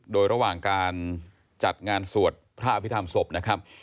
โดยระหว่างการจัดงานสวดพระอภิษฐรรมศพนะครับ